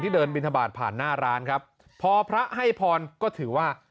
เดินบินทบาทผ่านหน้าร้านครับพอพระให้พรก็ถือว่า